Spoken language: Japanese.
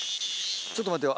ちょっと待ってよ